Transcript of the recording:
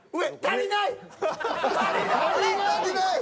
足りない！